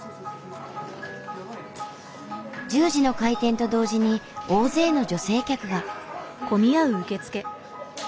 １０時の開店と同時に大勢の女性客が。